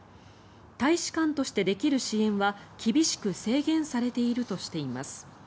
大使館としてできる支援は厳しく制限されているとしています。